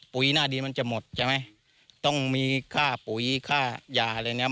หน้าดีมันจะหมดใช่ไหมต้องมีค่าปุ๋ยค่ายาอะไรเนี้ย